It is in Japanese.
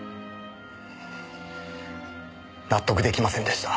納得出来ませんでした。